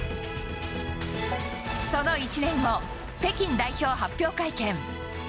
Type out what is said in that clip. その１年後、北京代表発表会見。